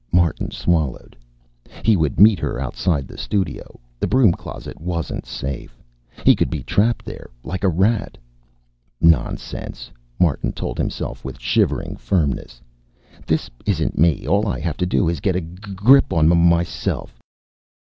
Martin swallowed. He would meet her outside the studio. The broom closet wasn't safe. He could be trapped there like a rat "Nonsense," Martin told himself with shivering firmness. "This isn't me. All I have to do is get a g grip on m myself.